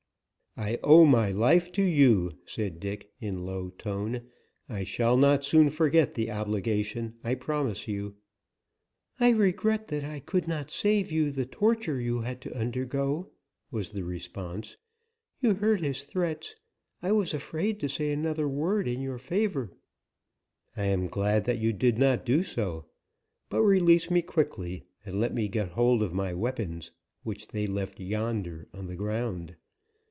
"I owe my life to you," said Dick, in low tone. "I shall not soon forget the obligation, I promise you." "I regret that I could not save you the torture you had to undergo," was the response. "You heard his threats; I was afraid to say another word in your favor." "I am glad that you did not do so. But release me quickly and let me get hold of my weapons which they left yonder on the ground.